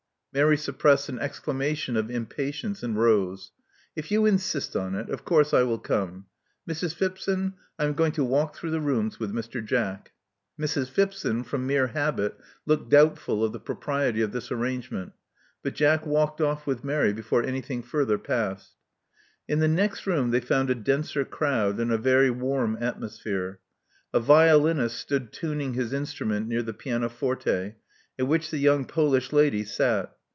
Mary suppressed an exclamation of impatience, and rose. If you insist on it, of course I will come. Mrs. Phipson : I am going to walk through the rooms with Mr. Jack." Mrs. Phipson, from mere habit, looked doubtful of the propriety of this arrangement; but Jack walked off with Mary before an)^hing further passed. In the next room they f oimd a denser crowd and a very warm atmosphere. A violinist stood tuning his instrument near the pianoforte, at which the young Polish lady sat.